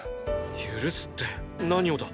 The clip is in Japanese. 許すって何をだ？